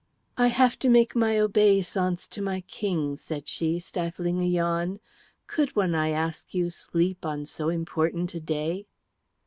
"I have to make my obeisance to my King," said she, stifling a yawn. "Could one, I ask you, sleep on so important a day?"